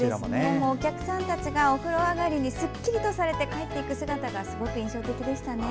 お客さんたちがお風呂上りにすっきりとされて帰っていく姿がすごく印象的でしたね。